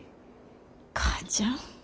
母ちゃん。